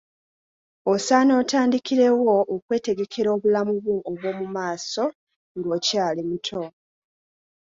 Osaana otandikirewo okwetegekera obulamu bwo obwo mu maaso ng'okyali muto.